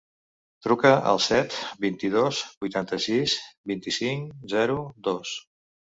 Truca al set, vint-i-dos, vuitanta-sis, vint-i-cinc, zero, dos.